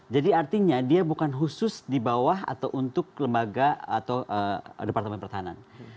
jadi artinya dia bukan khusus di bawah atau untuk lembaga atau departemen pertahanan